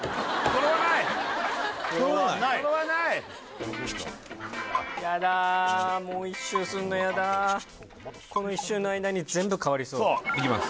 この１周の間に全部変わりそうそういきます